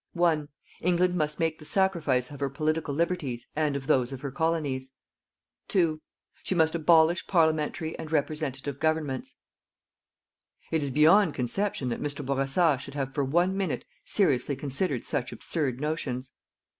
1. England must make the sacrifice of her political liberties and of those of her Colonies. 2. She must abolish parliamentary and representative governments. It is beyond conception that Mr. Bourassa should have for one minute seriously considered such absurd notions.